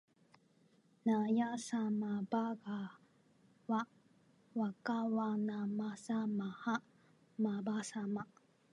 なやさまばがはわかわなまさまはまばさま